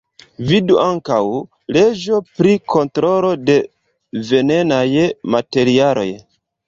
Vidu ankaŭ: leĝo pri kontrolo de venenaj materialoj.